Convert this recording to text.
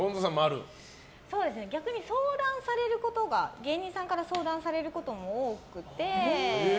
逆に芸人さんから相談されることも多くて。